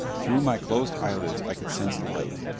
Through my closed eyelids I could sense light.